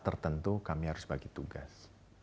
tertentu kami harus bagi tugas